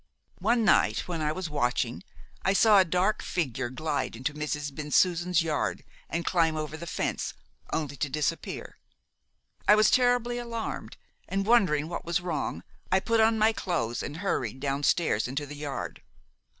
One night, when I was watching, I saw a dark figure glide into Mrs. Bensusan's yard and climb over the fence, only to disappear. I was terribly alarmed, and wondering what was wrong, I put on my clothes and hurried downstairs into the yard.